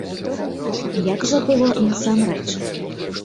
Як жа было насамрэч?